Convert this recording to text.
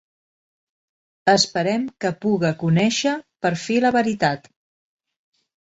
Esperem que puga conéixer per fi la veritat.